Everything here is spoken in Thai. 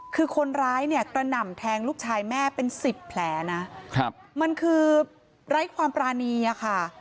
คือคนร้ายเนี่ยกระหน่ำแทงลูกชายแม่เป็นสิบแผลนะมันคือไร้ความปรานีอะค่ะ